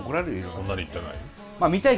そんなにいってない。